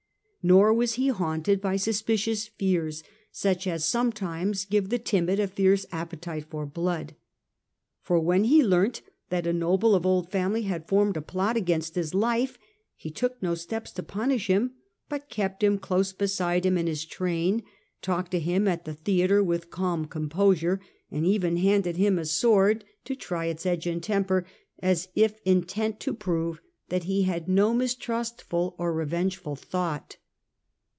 Nor was he haunted by suspicious fears, such as sometimes give the timid a fierce appetite for blood. For when he learnt that a noble of old family had formed a plot against his life, he took no steps to punish him, but kept him close beside him in his train, talked to him at the theatre with calm *'omposure, and even handed him a sword to Nenia. 96 98. 3 try its edge and temper, as if intent to prove that he had no mistrustful or revengeful thought.